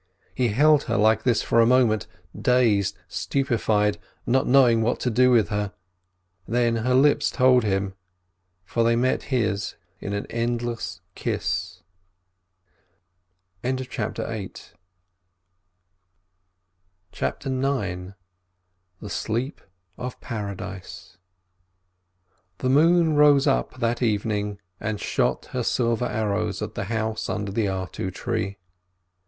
He held her like this for a moment, dazed, stupefied, not knowing what to do with her. Then her lips told him, for they met his in an endless kiss. CHAPTER IX THE SLEEP OF PARADISE The moon rose up that evening and shot her silver arrows at the house under the artu tree.